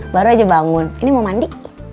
baru aja bangun ini mau mandi